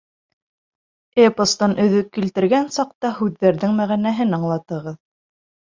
Эпостан өҙөк килтергән саҡта һүҙҙәрҙең мәғәнәһен аңлатығыҙ.